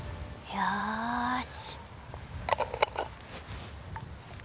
よし。